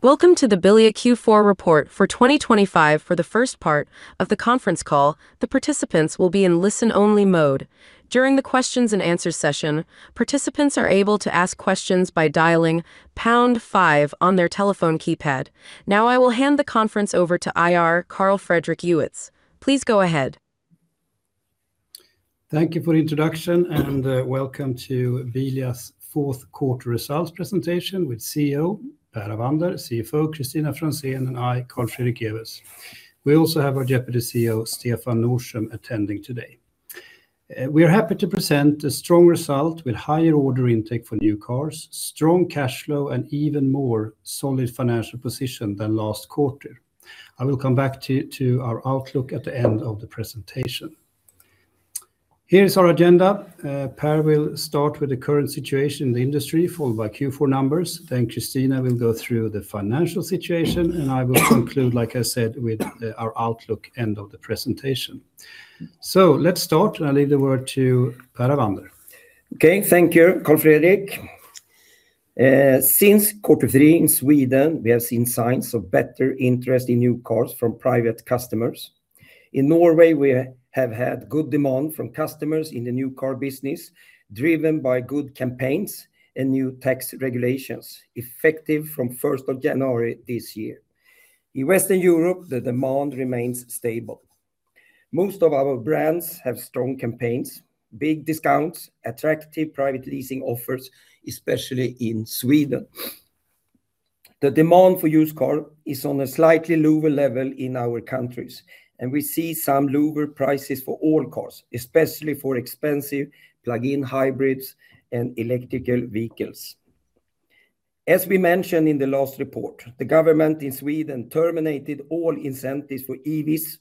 Welcome to the Bilia Q4 Report for 2025. For the first part of the conference call, the participants will be in listen-only mode. During the questions and answer session, participants are able to ask questions by dialing pound five on their telephone keypad. Now, I will hand the conference over to IR, Carl Fredrik Ewetz. Please go ahead. Thank you for the introduction, and welcome to Bilia's fourth quarter results presentation with CEO Per Avander, CFO Kristina Franzén, and I, Carl Fredrik Ewetz. We also have our Deputy CEO Stefan Nordström attending today. We are happy to present a strong result with higher order intake for new cars, strong cash flow, and even more solid financial position than last quarter. I will come back to our outlook at the end of the presentation. Here is our agenda. Per will start with the current situation in the industry, followed by Q4 numbers. Then Kristina will go through the financial situation, and I will conclude, like I said, with our outlook end of the presentation. So let's start, and I'll leave the word to Per Avander. Okay, thank you, Carl Fredrik. Since quarter three in Sweden, we have seen signs of better interest in new cars from private customers. In Norway, we have had good demand from customers in the new car business, driven by good campaigns and new tax regulations, effective from first of January this year. In Western Europe, the demand remains stable. Most of our brands have strong campaigns, big discounts, attractive private leasing offers, especially in Sweden. The demand for used car is on a slightly lower level in our countries, and we see some lower prices for all cars, especially for expensive plug-in hybrids and electric vehicles. As we mentioned in the last report, the government in Sweden terminated all incentives for EVs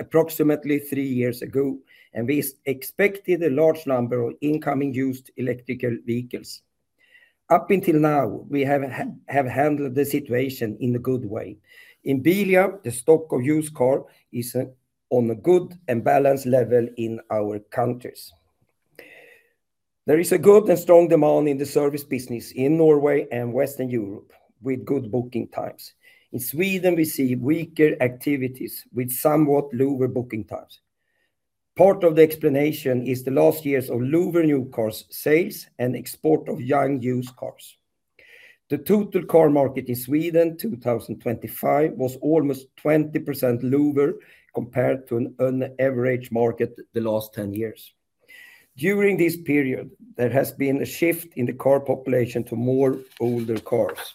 approximately 3 years ago, and we expected a large number of incoming used electric vehicles. Up until now, we have handled the situation in a good way. In Bilia, the stock of used car is on a good and balanced level in our countries. There is a good and strong demand in the service business in Norway and Western Europe, with good booking times. In Sweden, we see weaker activities with somewhat lower booking times. Part of the explanation is the last years of lower new cars sales and export of young used cars. The total car market in Sweden, 2025, was almost 20% lower compared to an average market the last 10 years. During this period, there has been a shift in the car population to more older cars.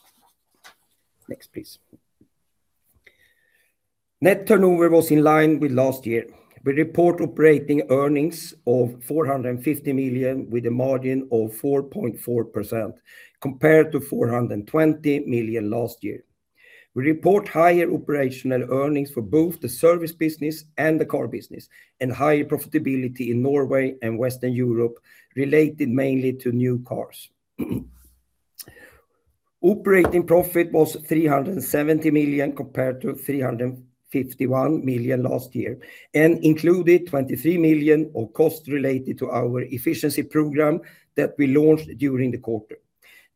Next, please. Net turnover was in line with last year. We report operating earnings of 450 million, with a margin of 4.4%, compared to 420 million last year. We report higher operational earnings for both the service business and the car business, and higher profitability in Norway and Western Europe, related mainly to new cars. Operating profit was 370 million, compared to 351 million last year, and included 23 million of costs related to our efficiency program that we launched during the quarter.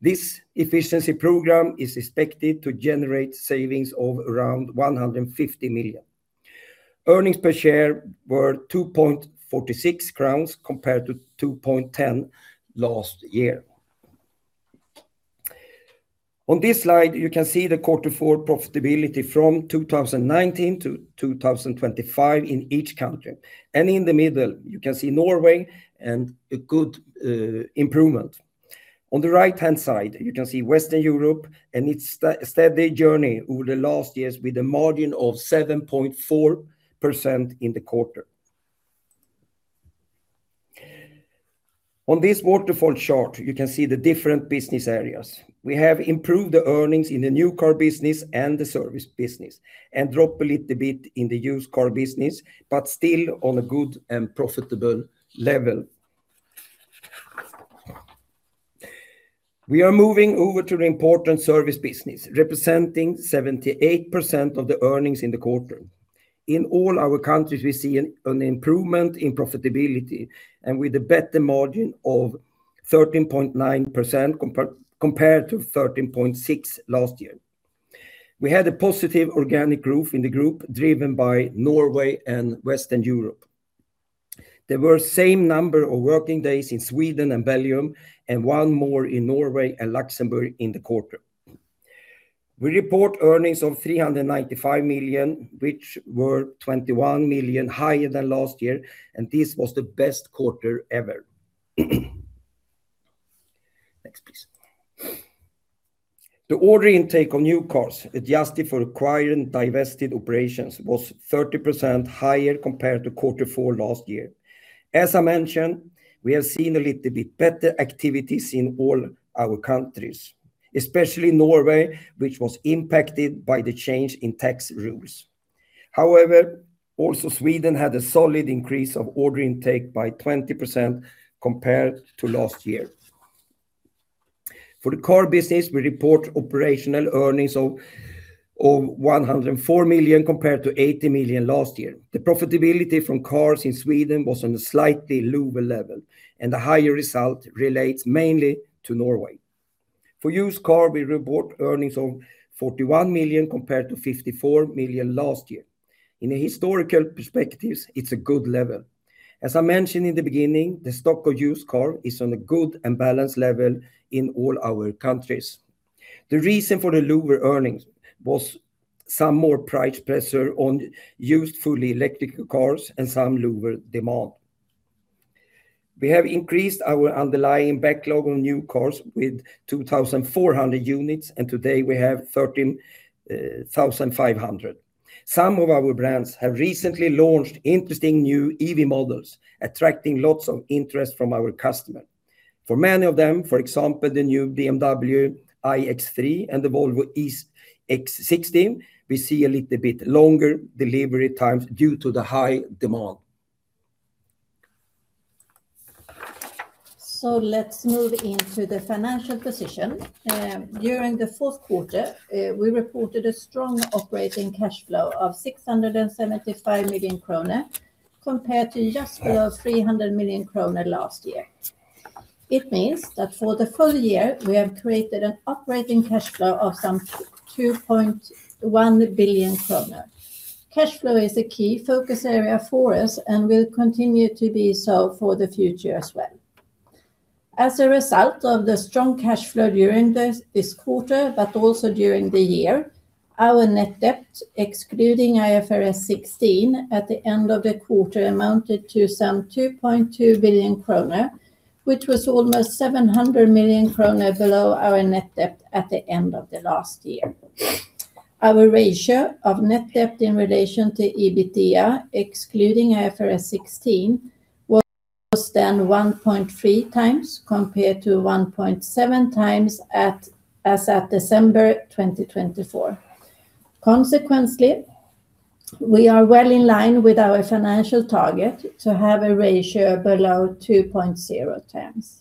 This efficiency program is expected to generate savings of around 150 million. Earnings per share were 2.46 crowns, compared to 2.10 last year. On this slide, you can see the quarter four profitability from 2019 to 2025 in each country. In the middle, you can see Norway and a good improvement. On the right-hand side, you can see Western Europe and its steady journey over the last years with a margin of 7.4% in the quarter. On this waterfall chart, you can see the different business areas. We have improved the earnings in the new car business and the service business, and drop a little bit in the used car business, but still on a good and profitable level. We are moving over to the important service business, representing 78% of the earnings in the quarter. In all our countries, we see an improvement in profitability and with a better margin of 13.9% compared to 13.6% last year. We had a positive organic growth in the group, driven by Norway and Western Europe. There were same number of working days in Sweden and Belgium, and one more in Norway and Luxembourg in the quarter. We report earnings of 395 million, which were 21 million higher than last year, and this was the best quarter ever. Next, please. The order intake on new cars, adjusted for acquired and divested operations, was 30% higher compared to quarter four last year. As I mentioned, we have seen a little bit better activities in all our countries, especially Norway, which was impacted by the change in tax rules. However, also Sweden had a solid increase of order intake by 20% compared to last year. For the car business, we report operational earnings of 104 million compared to 80 million last year. The profitability from cars in Sweden was on a slightly lower level, and the higher result relates mainly to Norway. For used car, we report earnings of 41 million, compared to 54 million last year. In a historical perspective, it's a good level. As I mentioned in the beginning, the stock of used car is on a good and balanced level in all our countries. The reason for the lower earnings was some more price pressure on used fully electric cars and some lower demand. We have increased our underlying backlog on new cars with 2,400 units, and today we have 13,500. Some of our brands have recently launched interesting new EV models, attracting lots of interest from our customer. For many of them, for example, the new BMW iX3 and the Volvo EX60, we see a little bit longer delivery times due to the high demand. So let's move into the financial position. During the fourth quarter, we reported a strong operating cash flow of 675 million kronor, compared to just below 300 million kronor last year. It means that for the full year, we have created an operating cash flow of some 2.1 billion kronor. Cash flow is a key focus area for us and will continue to be so for the future as well. As a result of the strong cash flow during this quarter, but also during the year, our net debt, excluding IFRS 16, at the end of the quarter amounted to some 2.2 billion kronor, which was almost 700 million kronor below our net debt at the end of the last year. Our ratio of net debt in relation to EBITDA, excluding IFRS 16, was then 1.3x, compared to 1.7x as at December 2024. Consequently, we are well in line with our financial target to have a ratio below 2.0x.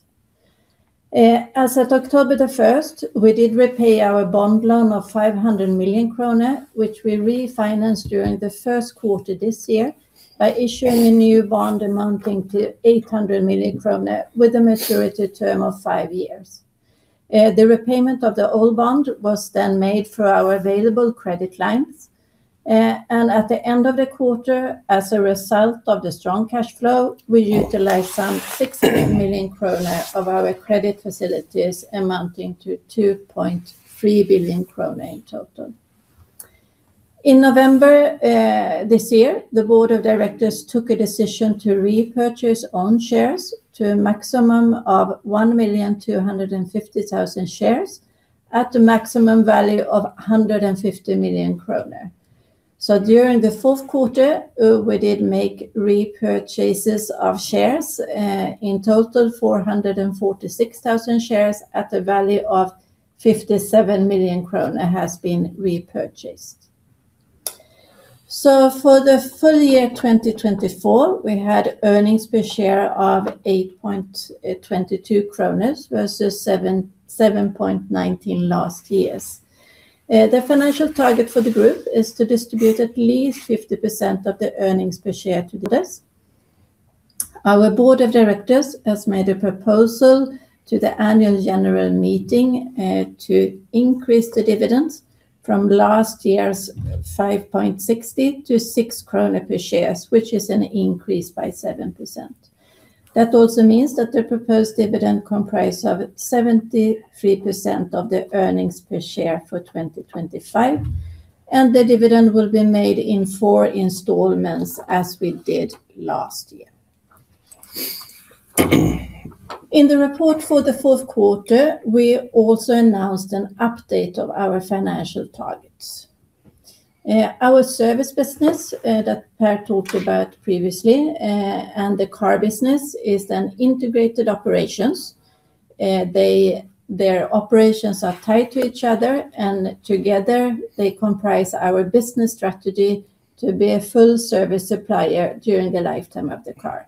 As at October 1st, we did repay our bond loan of 500 million kronor, which we refinanced during the first quarter this year by issuing a new bond amounting to 800 million kronor, with a maturity term of 5 years. The repayment of the old bond was then made through our available credit lines. And at the end of the quarter, as a result of the strong cash flow, we utilized some 60 million krona of our credit facilities, amounting to 2.3 billion krona in total. In November, this year, the Board of Directors took a decision to repurchase own shares to a maximum of 1,250,000 shares, at a maximum value of 150 million kronor. So during the fourth quarter, we did make repurchases of shares, in total, 446,000 shares at the value of 57 million kronor has been repurchased. So for the full year 2024, we had earnings per share of 8.22 kronor versus 7.19 last year's. The financial target for the group is to distribute at least 50% of the earnings per share to the investors. Our Board of Directors has made a proposal to the Annual General Meeting, to increase the dividends from last year's 5.60 to 6 krona per share, which is an increase by 7%. That also means that the proposed dividend comprise of 73% of the earnings per share for 2025, and the dividend will be made in 4 installments, as we did last year. In the report for the fourth quarter, we also announced an update of our financial targets. Our service business, that Per talked about previously, and the car business, is an integrated operations. Their operations are tied to each other, and together, they comprise our business strategy to be a full-service supplier during the lifetime of the car.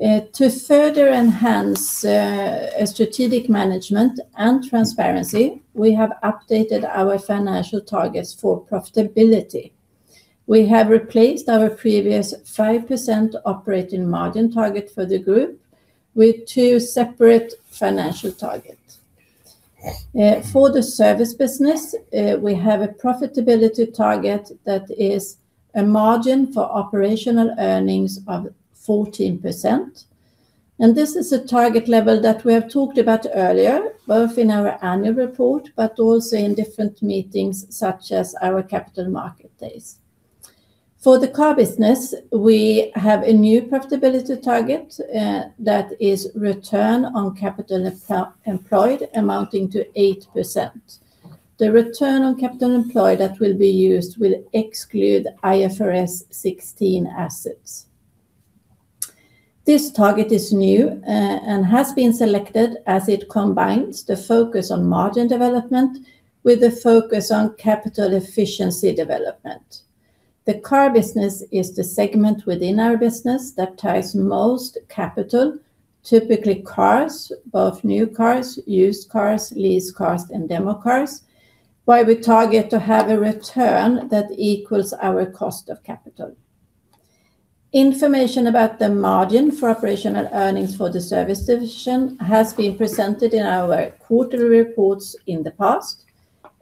To further enhance a strategic management and transparency, we have updated our financial targets for profitability. We have replaced our previous 5% operating margin target for the group with two separate financial targets. For the service business, we have a profitability target that is a margin for operational earnings of 14%, and this is a target level that we have talked about earlier, both in our annual report, but also in different meetings, such as our Capital Markets Days. For the car business, we have a new profitability target, that is return on capital employed, amounting to 8%. The return on capital employed that will be used will exclude IFRS 16 assets. This target is new, and has been selected as it combines the focus on margin development with the focus on capital efficiency development.... The car business is the segment within our business that ties most capital, typically cars, both new cars, used cars, lease cars, and demo cars, where we target to have a return that equals our cost of capital. Information about the margin for operational earnings for the service division has been presented in our quarterly reports in the past.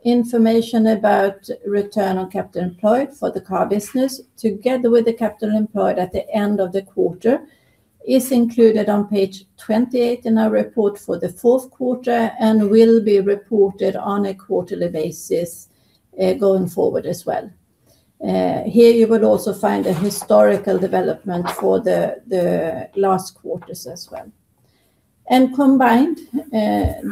Information about return on capital employed for the car business, together with the capital employed at the end of the quarter, is included on page 28 in our report for the fourth quarter, and will be reported on a quarterly basis, going forward as well. Here you will also find a historical development for the last quarters as well. Combined,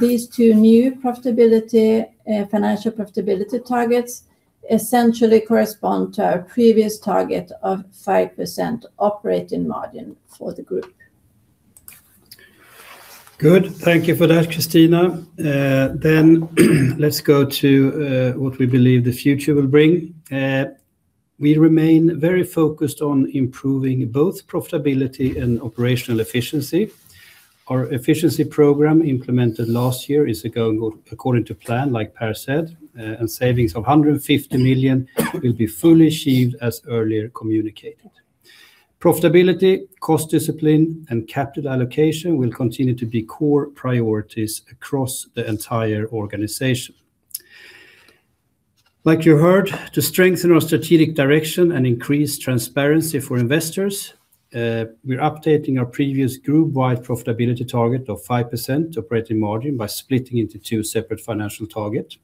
these two new profitability financial profitability targets, essentially correspond to our previous target of 5% operating margin for the group. Good. Thank you for that, Kristina. Then let's go to what we believe the future will bring. We remain very focused on improving both profitability and operational efficiency. Our efficiency program, implemented last year, is going according to plan, like Per said, and savings of 150 million will be fully achieved as earlier communicated. Profitability, cost discipline, and capital allocation will continue to be core priorities across the entire organization. Like you heard, to strengthen our strategic direction and increase transparency for investors, we're updating our previous group-wide profitability target of 5% operating margin by splitting into two separate financial target.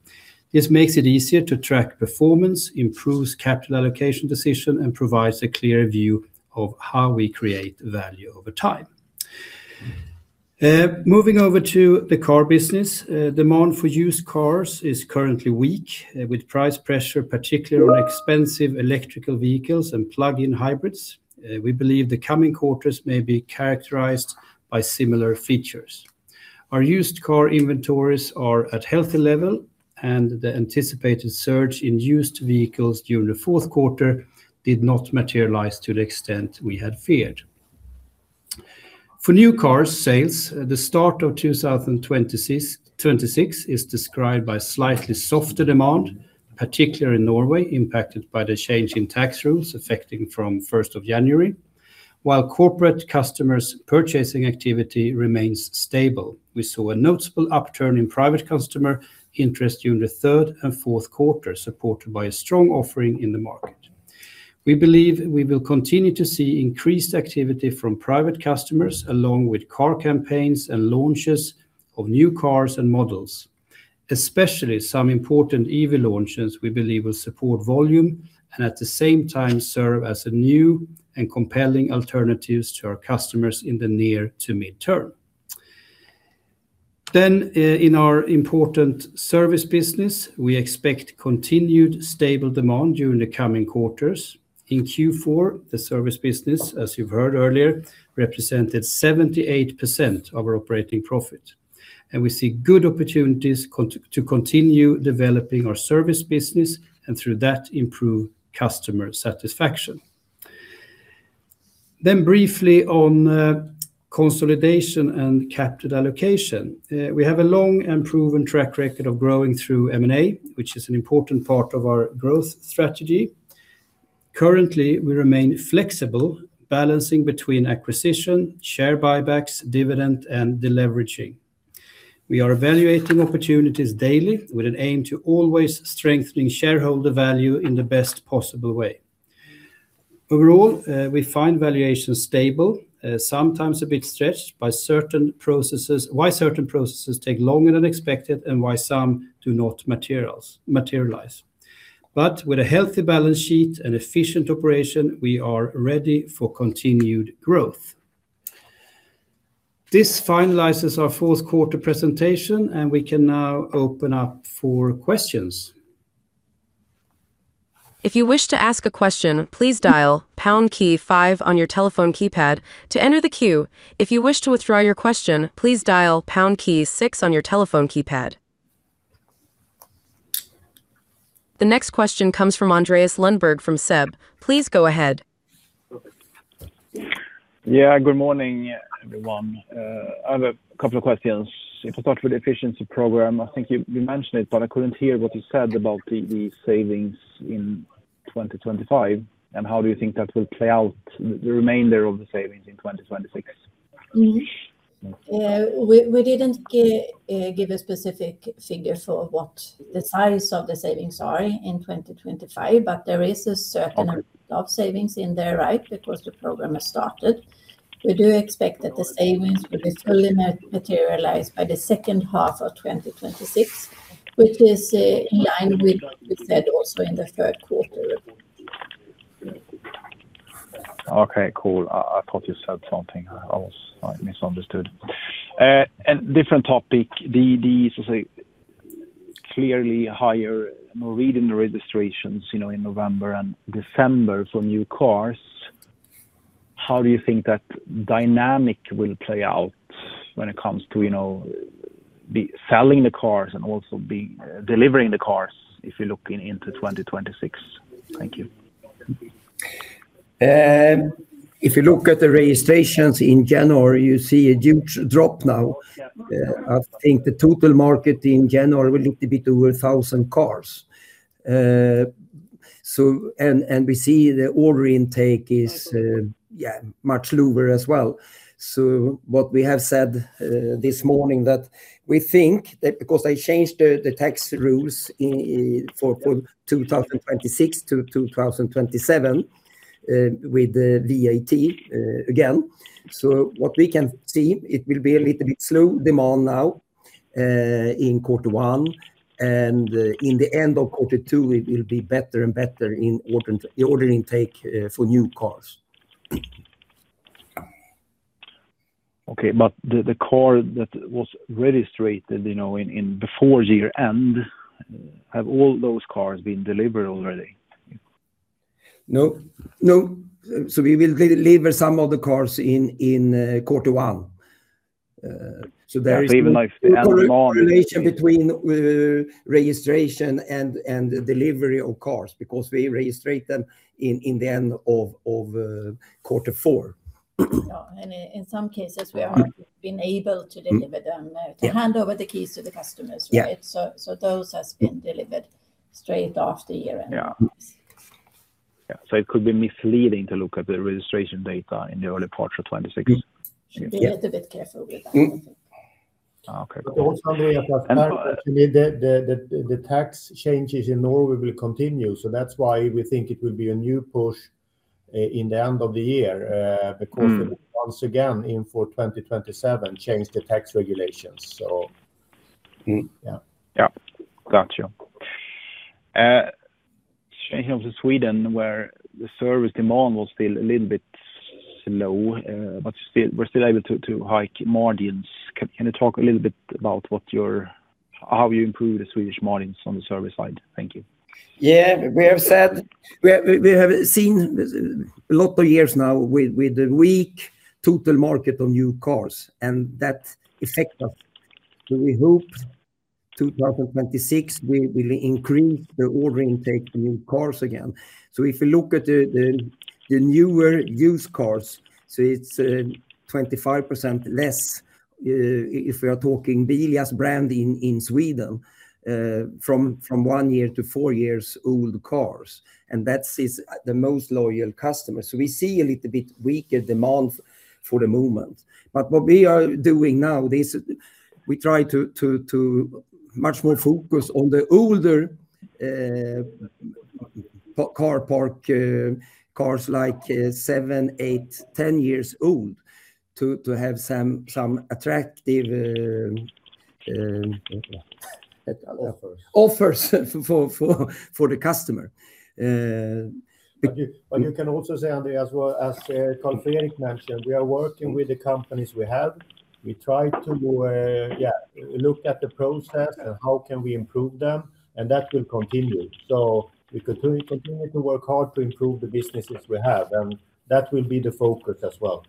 This makes it easier to track performance, improves capital allocation decision, and provides a clear view of how we create value over time. Moving over to the car business, demand for used cars is currently weak, with price pressure, particularly on expensive electric vehicles and plug-in hybrids. We believe the coming quarters may be characterized by similar features. Our used car inventories are at healthy level, and the anticipated surge in used vehicles during the fourth quarter did not materialize to the extent we had feared. For new car sales, the start of 2026 is described by slightly softer demand, particularly in Norway, impacted by the change in tax rules affecting from first of January. While corporate customers' purchasing activity remains stable, we saw a notable upturn in private customer interest during the third and fourth quarter, supported by a strong offering in the market. We believe we will continue to see increased activity from private customers, along with car campaigns and launches of new cars and models. Especially some important EV launches we believe will support volume, and at the same time, serve as a new and compelling alternatives to our customers in the near to midterm. Then in our important service business, we expect continued stable demand during the coming quarters. In Q4, the service business, as you've heard earlier, represented 78% of our operating profit, and we see good opportunities to continue developing our service business, and through that, improve customer satisfaction. Then briefly on consolidation and capital allocation. We have a long and proven track record of growing through M&A, which is an important part of our growth strategy. Currently, we remain flexible, balancing between acquisition, share buybacks, dividend, and deleveraging. We are evaluating opportunities daily, with an aim to always strengthening shareholder value in the best possible way. Overall, we find valuation stable, sometimes a bit stretched by certain processes... why certain processes take longer than expected and why some do not materialize. But with a healthy balance sheet and efficient operation, we are ready for continued growth. This finalizes our fourth quarter presentation, and we can now open up for questions. If you wish to ask a question, please dial pound key five on your telephone keypad to enter the queue. If you wish to withdraw your question, please dial pound key six on your telephone keypad. The next question comes from Andreas Lundberg, from SEB. Please go ahead. Yeah, good morning, everyone. I have a couple of questions. If I start with efficiency program, I think you mentioned it, but I couldn't hear what you said about the savings in 2025, and how do you think that will play out, the remainder of the savings in 2026? Mm-hmm. We didn't give a specific figure for what the size of the savings are in 2025, but there is a certain amount of savings in there, right? Because the program has started. We do expect that the savings will be fully materialized by the second half of 2026, which is in line with what we said also in the third quarter. Okay, cool. I thought you said something. I was... I misunderstood. And different topic, the clearly higher reading the registrations, you know, in November and December for new cars. How do you think that dynamic will play out when it comes to, you know, selling the cars and also delivering the cars if you're looking into 2026? Thank you. If you look at the registrations in January, you see a huge drop now. I think the total market in January will need to be to 1,000 cars. So we see the order intake is, yeah, much lower as well. So what we have said this morning, that we think that because they changed the tax rules in for 2026 to 2027 with the VAT again. So what we can see, it will be a little bit slow demand now in quarter one, and in the end of quarter two, it will be better and better in the order intake for new cars. Okay, but the car that was registered, you know, in before year-end, have all those cars been delivered already? No. No. So we will deliver some of the cars in quarter one. So there is- Even like the end of March. Relation between registration and delivery of cars, because we register them in the end of quarter four. Yeah, and in some cases, we have been able to deliver them- Yeah to hand over the keys to the customers, right? Yeah. So those has been delivered straight after year-end. Yeah. Yeah, so it could be misleading to look at the registration data in the early quarter 2026. Yeah. Be a little bit careful with that, I think. Okay. But also, the tax changes in Norway will continue, so that's why we think it will be a new push in the end of the year. Mm... because once again, in 2027, change the tax regulations, so. Mm. Yeah. Yeah. Got you. Changing over to Sweden, where the service demand was still a little bit slow, but still, we're still able to hike margins. Can you talk a little bit about what you're, how you improve the Swedish margins on the service side? Thank you. Yeah, we have said. We have seen a lot of years now with the weak total market on new cars, and that effect of, we hope 2026, we will increase the order intake new cars again. So if you look at the newer used cars, so it's 25% less, if we are talking Bilia's brand in Sweden, from one year to four years old cars, and that is the most loyal customers. So we see a little bit weaker demand for the moment. But what we are doing now is we try to much more focus on the older car park cars, like seven, eight, 10 years old, to have some attractive. Offers offers for the customer- But you can also say, Andreas, well, as Carl Fredrik mentioned, we are working with the companies we have. We try to look at the process and how can we improve them, and that will continue. So we continue to work hard to improve the businesses we have, and that will be the focus as well.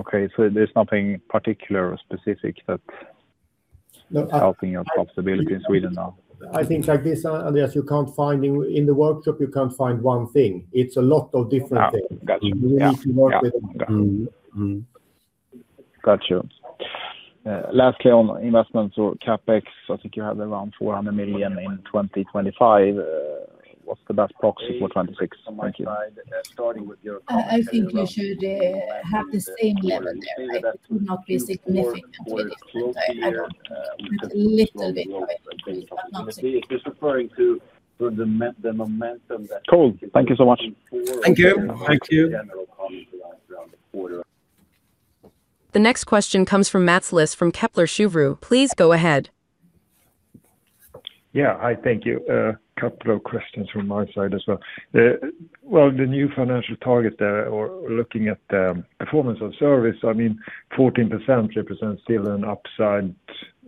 Okay, so there's nothing particular or specific that- No is helping your profitability in Sweden now? I think like this, Andreas, you can't find in the workshop, you can't find one thing. It's a lot of different things. Ah, got you. We need to work it. Yeah. Got you. Mm, got you. Lastly, on investments or CapEx, I think you have around 400 million in 2025. What's the best proxy for 2026? Thank you. I think you should have the same level there, right? It would not be significantly different. So a little bit of it, but not- If you're referring to the momentum that- Cool. Thank you so much. Thank you. Thank you. The next question comes from Mats Liss from Kepler Cheuvreux. Please go ahead. Yeah. Hi, thank you. A couple of questions from my side as well. Well, the new financial target there, or looking at the performance of service, I mean, 14% represents still an upside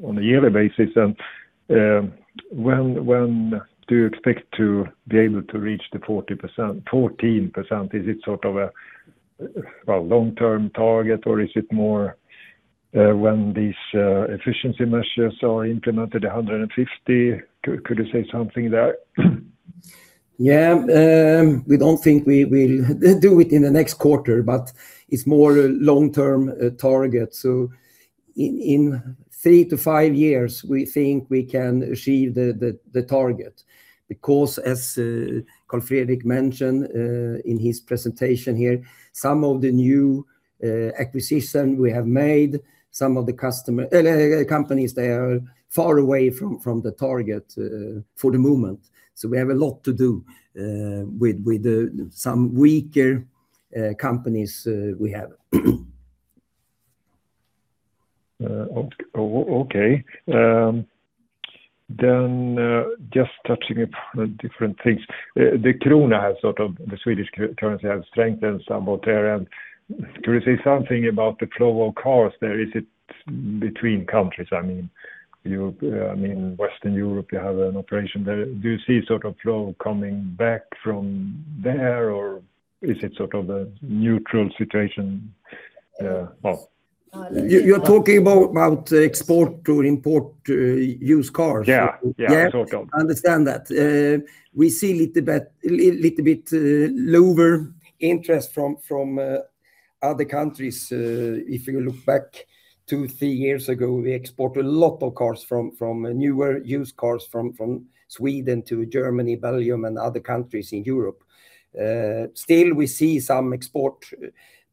on a yearly basis. And when do you expect to be able to reach the 40%, 14%? Is it sort of a long-term target, or is it more when these efficiency measures are implemented, 150? Could you say something there? Yeah. We don't think we will do it in the next quarter, but it's more a long-term target. So in three to five years, we think we can achieve the target. Because as Carl Fredrik mentioned in his presentation here, some of the new acquisition we have made, some of the customer companies, they are far away from the target for the moment. So we have a lot to do with some weaker companies we have. Okay. Then, just touching upon the different things. The krona, the Swedish currency, has strengthened some there. And could you say something about the flow of cars there, is it between countries, I mean? Europe, I mean, Western Europe, you have an operation there. Do you see sort of flow coming back from there, or is it sort of a neutral situation? You, you're talking about, about export or import, used cars? Yeah, yeah, sort of. I understand that. We see little bit, little bit lower interest from other countries. If you look back 2, 3 years ago, we export a lot of cars from newer used cars from Sweden to Germany, Belgium, and other countries in Europe. Still we see some export,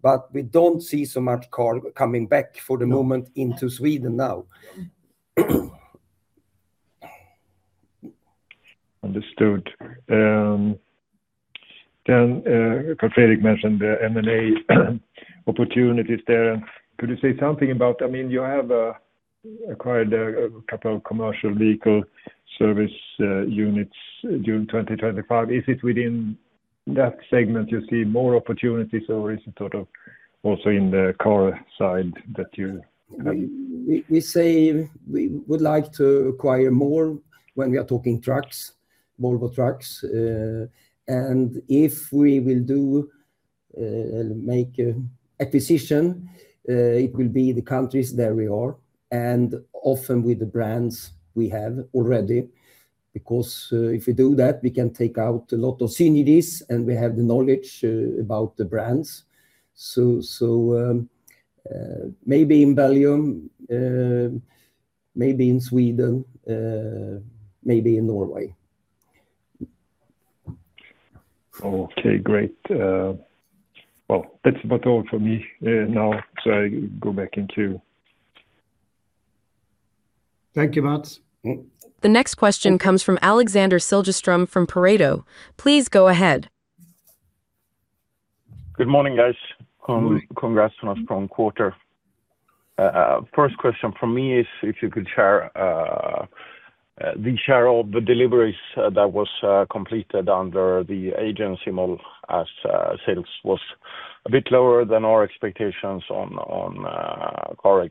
but we don't see so much car coming back for the moment into Sweden now. Understood. Then, Fredrik mentioned the M&A opportunities there. Could you say something about... I mean, you have acquired a couple of commercial vehicle service units during 2025. Is it within that segment you see more opportunities, or is it sort of also in the car side that you have? We say we would like to acquire more when we are talking trucks, Volvo Trucks. And if we will make acquisition, it will be the countries where we are, and often with the brands we have already. Because if we do that, we can take out a lot of synergies, and we have the knowledge about the brands. So maybe in Belgium, maybe in Sweden, maybe in Norway. Okay, great. Well, that's about all for me, now, so I go back into- Thank you, Mats. The next question comes from Alexander Siljeström from Pareto. Please go ahead. Good morning, guys. Congrats on a strong quarter. First question from me is if you could share the share of the deliveries that was completed under the agency model, as sales was a bit lower than our expectations on car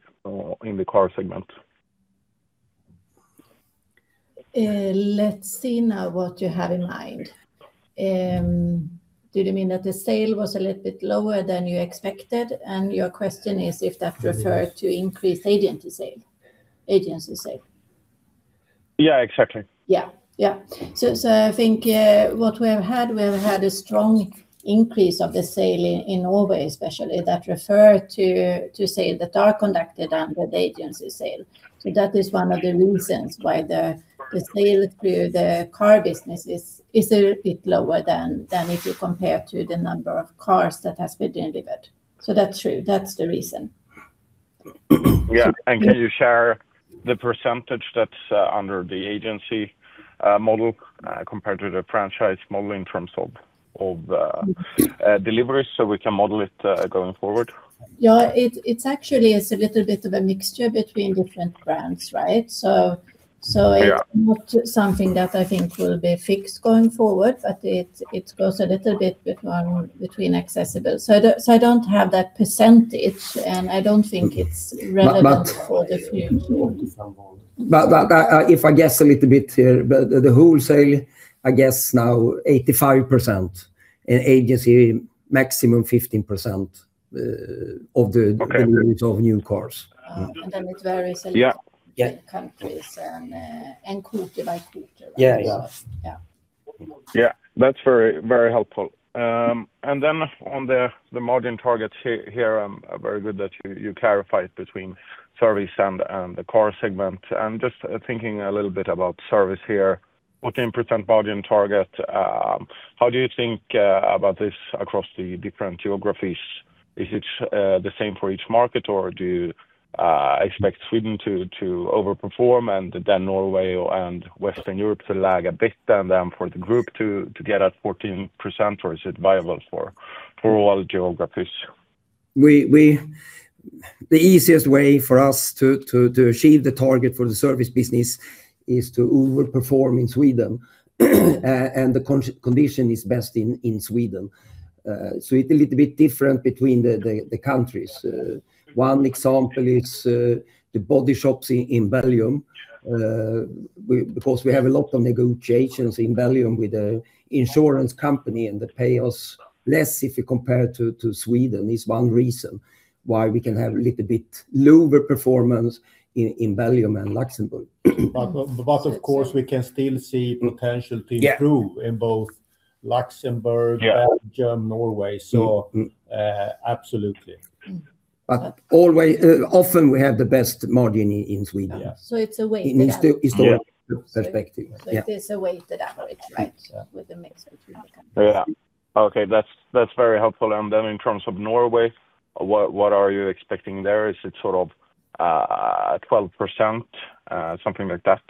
in the car segment. Let's see now what you have in mind. Do you mean that the sale was a little bit lower than you expected, and your question is if that referred to increased agency sale, agency sale? Yeah, exactly. Yeah, yeah. So I think what we have had a strong increase of the sale in Norway, especially, that refer to sale that are conducted under the agency sale. So that is one of the reasons why the sale through the car business is a bit lower than if you compare to the number of cars that has been delivered. So that's true. That's the reason. Yeah, and can you share the percentage that's under the agency model compared to the franchise model in terms of deliveries, so we can model it going forward? Yeah, it's actually a little bit of a mixture between different brands, right? So, so- Yeah... it's not something that I think will be fixed going forward, but it, it goes a little bit between acceptable. So I don't, so I don't have that percentage, and I don't think it's relevant- But, but- For the future. But if I guess a little bit here, but the wholesale, I guess now 85%, and agency maximum 15%, of the- Okay... of new cars. And then it varies a little- Yeah... in countries and, and country by country. Yeah. Yeah. Yeah. That's very, very helpful. And then on the margin targets here, very good that you clarified between service and the car segment. I'm just thinking a little bit about service here. 14% margin target, how do you think about this across the different geographies? Is it the same for each market, or do you expect Sweden to overperform, and then Norway and Western Europe to lag a bit, and then for the group to get at 14%, or is it viable for all geographies? The easiest way for us to achieve the target for the service business is to overperform in Sweden, and the condition is best in Sweden. So it's a little bit different between the countries. One example is the body shops in Belgium. Because we have a lot of negotiations in Belgium with the insurance company, and they pay us less if you compare to Sweden, is one reason why we can have a little bit lower performance in Belgium and Luxembourg. But of course, we can still see potential to improve-... in both Luxembourg-... Belgium, Norway, so, absolutely. Always, often we have the best margin in Sweden. It's a way to the average. It is the perspective. It is a way to the average, right, with a mix of three countries. Yeah. Okay, that's, that's very helpful. And then in terms of Norway, what, what are you expecting there? Is it sort of 12%, something like that?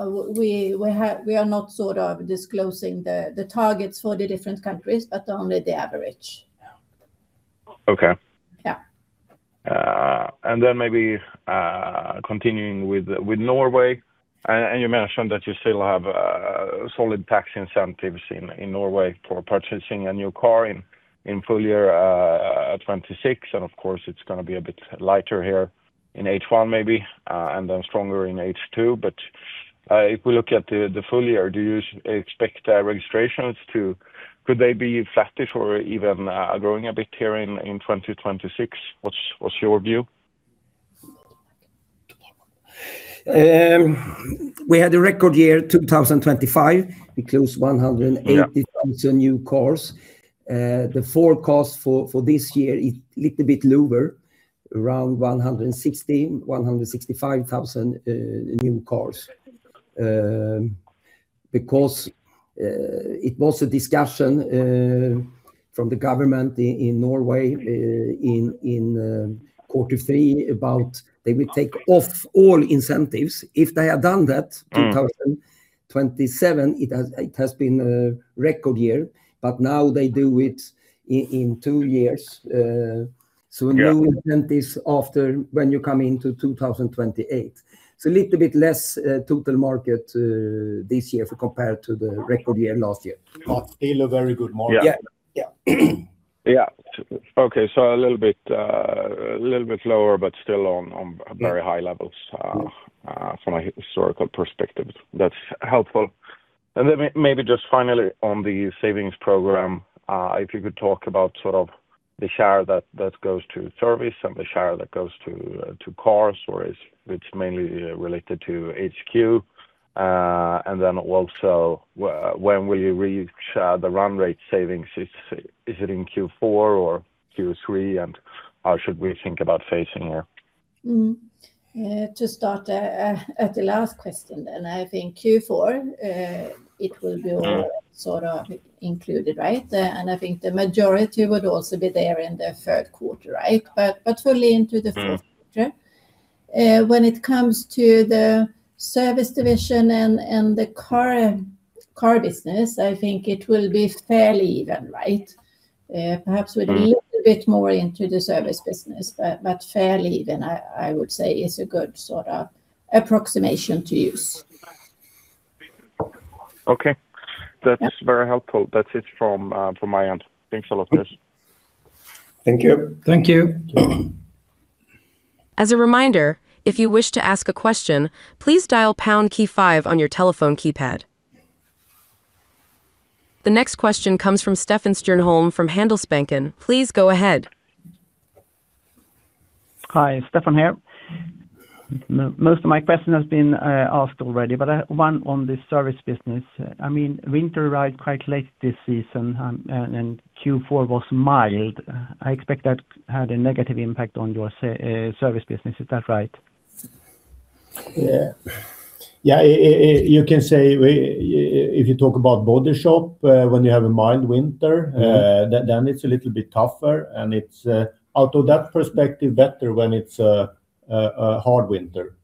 We are not sort of disclosing the targets for the different countries, but only the average. Okay. Yeah. And then maybe continuing with Norway. And you mentioned that you still have solid tax incentives in Norway for purchasing a new car in full year 2026. And of course, it's gonna be a bit lighter here in H1 maybe, and then stronger in H2. But if we look at the full year, do you expect registrations, could they be flatish or even growing a bit here in 2026? What's your view? We had a record year, 2025. We closed 180,000 new cars. The forecast for this year is little bit lower, around 160,000-165,000 new cars. Because it was a discussion from the government in Norway in quarter three, about they will take off all incentives. If they had done that-... 2027, it has, it has been a record year, but now they do it in two years. So no incentives after when you come into 2028. So a little bit less total market this year compared to the record year last year. But still a very good market. Yeah, yeah. Yeah. Okay, so a little bit, a little bit lower, but still on, on very high levels-... from a historical perspective. That's helpful. And then maybe just finally on the savings program, if you could talk about sort of the share that goes to service and the share that goes to cars, or is it mainly related to HQ? And then also, when will you reach the run rate savings? Is it in Q4 or Q3, and how should we think about phasing it? To start, at the last question, then I think Q4, it will be-... sort of included, right? And I think the majority would also be there in the third quarter, right? But fully into the fourth quarter. When it comes to the service division and the car business, I think it will be fairly even, right? Perhaps-... with a little bit more into the service business, but fairly even, I would say is a good sort of approximation to use. Okay. Yeah. That's very helpful. That's it from, from my end. Thanks a lot, guys. Thank you. Thank you. As a reminder, if you wish to ask a question, please dial pound key five on your telephone keypad. The next question comes from Stefan Stjernholm, from Handelsbanken. Please go ahead. Hi, Stefan here. Most of my question has been asked already, but one on the service business. I mean, winter arrived quite late this season, and Q4 was mild. I expect that had a negative impact on your service business. Is that right? Yeah. Yeah, you can say we... If you talk about body shop, when you have a mild winter-... then it's a little bit tougher. And it's out of that perspective, better when it's a hard winter.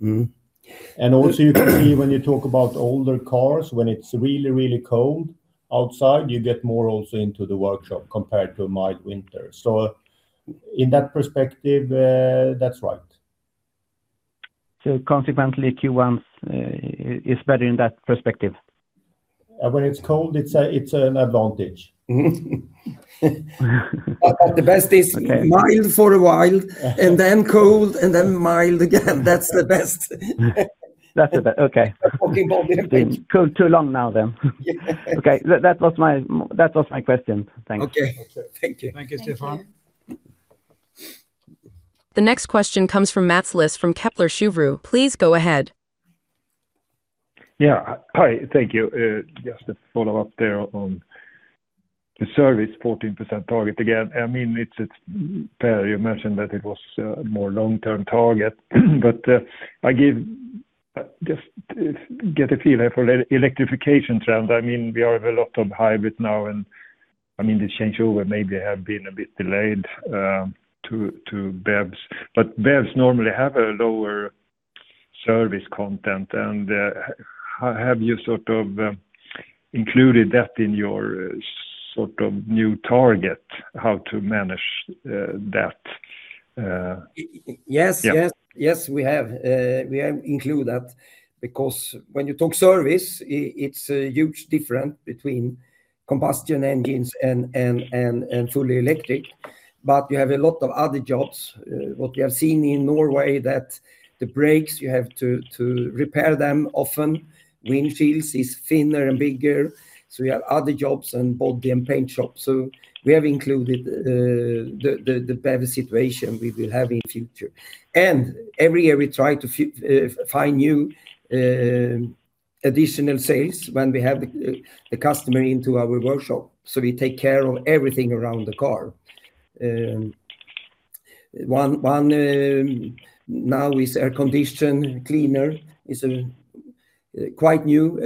And also, you can see when you talk about older cars, when it's really, really cold outside, you get more also into the workshop compared to a mild winter. So in that perspective, that's right. So consequently, Q1 is better in that perspective? When it's cold, it's an advantage. But the best is- Okay... mild for a while, and then cold, and then mild again. That's the best. That's okay. Talking about the winter. It's cold too long now then. Yeah. Okay. That was my question. Thanks. Okay. Thank you. Thank you, Stefan. Thank you. The next question comes from Mats Liss, from Kepler Cheuvreux. Please go ahead. Yeah. Hi, thank you. Just to follow up there on the service 14% target again. I mean, it's, it's, Per, you mentioned that it was more long-term target. But I give just get a feel here for electrification trends. I mean, we have a lot of hybrid now, and I mean, the changeover maybe have been a bit delayed to BEVs. But BEVs normally have a lower service content, and how have you sort of included that in your sort of new target, how to manage that? Y-y-yes- Yeah... yes, yes, we have. We have included that because when you talk service, it's a huge difference between combustion engines and fully electric, but you have a lot of other jobs. What we have seen in Norway, that the brakes, you have to repair them often. Windshields are thinner and bigger, so we have other jobs and body and paint jobs. So we have included the BEV situation we will have in future. And every year, we try to find new additional sales when we have the customer into our workshop, so we take care of everything around the car. One now is air condition cleaner is a quite new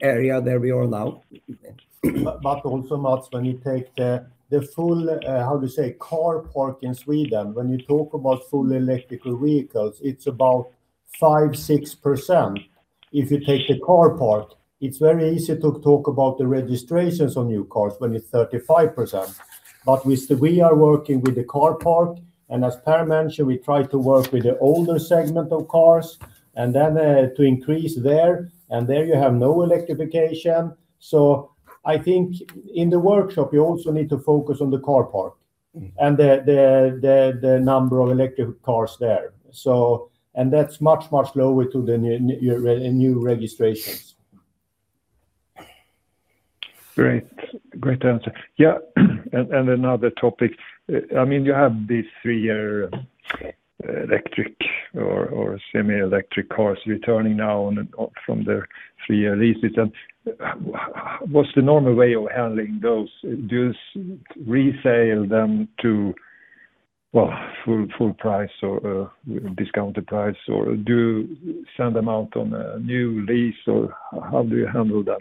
area that we are now. But, but also, Mats, when you take the, the full, how to say? Car park in Sweden, when you talk about full electrical vehicles, it's about 5-6%. If you take the car park, it's very easy to talk about the registrations on new cars when it's 35%. But we, we are working with the car park, and as Per mentioned, we try to work with the older segment of cars, and then, to increase there, and there you have no electrification. So I think in the workshop, you also need to focus on the car park-... and the number of electric cars there. So that's much, much lower to the new registrations. Great. Great answer. Yeah, and another topic. I mean, you have these 3-year electric or semi-electric cars returning now from their 3-year leases. And what's the normal way of handling those? Do you resell them to, well, full price or discounted price, or do you send them out on a new lease? Or how do you handle that?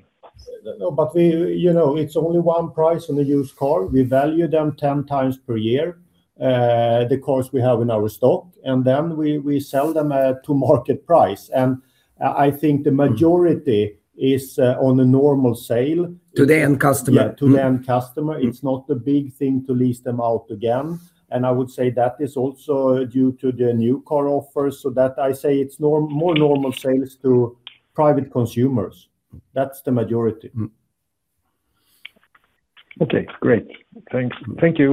But we, you know, it's only one price on a used car. We value them 10 times per year, the cars we have in our stock, and then we sell them at to market price. And I think the majority-... is, on a normal sale. To the end customer. Yeah, to the end customer. It's not a big thing to lease them out again, and I would say that is also due to the new car offers, so that I say it's more normal sales to private consumers. That's the majority. Mm. Okay, great. Thanks. Thank you.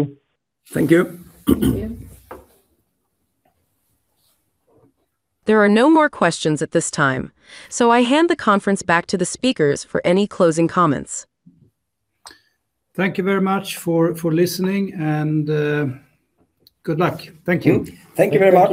Thank you. Thank you. There are no more questions at this time, so I hand the conference back to the speakers for any closing comments. Thank you very much for listening, and good luck. Thank you. Thank you very much.